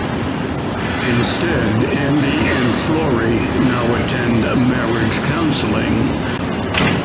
Instead, Andy and Florrie now attend marriage counselling.